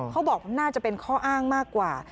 เขาบอกน่าจะเป็นข้ออ้างมากกว่า